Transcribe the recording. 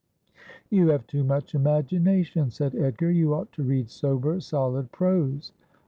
' You have too much imagination,' said Edgar. ' You ought to read sober solid prose.'